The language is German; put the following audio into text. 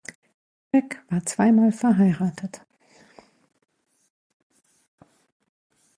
Peck war zweimal verheiratet.